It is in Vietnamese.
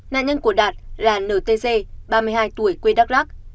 nạn nhân của đạt là ntg ba mươi hai tuổi quê đắk lắc